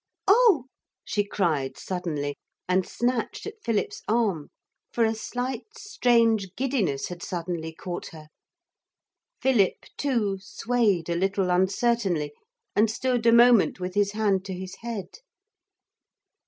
Oh!' she cried suddenly, and snatched at Philip's arm. For a slight strange giddiness had suddenly caught her. Philip too swayed a little uncertainly and stood a moment with his hand to his head.